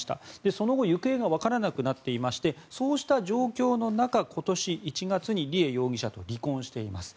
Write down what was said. その後、行方がわからなくなっていましてそうした状況の中今年１月に梨恵容疑者と離婚しています。